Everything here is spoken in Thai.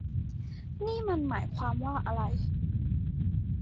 นี่มันหมายความว่าอะไร